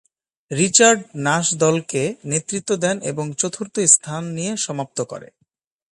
Richard Nash দলকে নেতৃত্ব দেন এবং চতুর্থ স্থান নিয়ে সমাপ্ত করে।